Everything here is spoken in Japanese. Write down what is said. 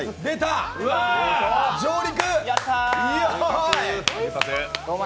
上陸。